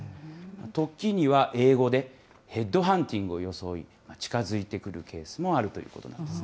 時には英語でベッドハンティングを装い、近づいてくるケースもあるということなんですね。